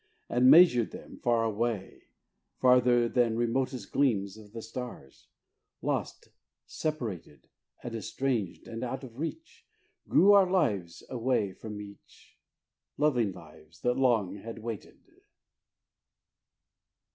And meseemed then, far away Farther than remotest gleams Of the stars lost, separated, And estranged, and out of reach, Grew our lives away from each, Loving lives, that long had waited.